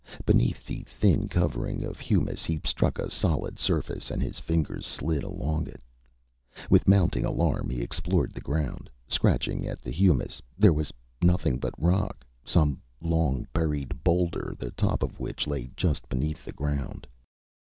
Beneath the thin covering of humus, he struck a solid surface and his fingers slid along it. With mounting alarm, he explored the ground, scratching at the humus. There was nothing but rock some long buried boulder, the top of which lay just beneath the ground.